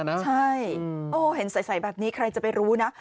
ใช่เห็นใสแบบนี้ใครจะไปรู้นะ